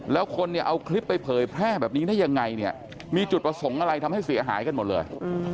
แล้วคนเนี่ยเอาคลิปไปเผยแพร่แบบนี้ได้ยังไงเนี่ยมีจุดประสงค์อะไรทำให้เสียหายกันหมดเลย